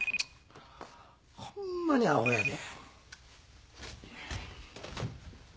ホンマにアホやで。